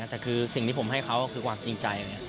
แต่คือสิ่งที่ผมให้เขาคือความจริงใจ